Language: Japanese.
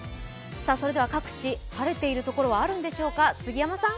それでは各地、晴れているところはあるんでしょうか。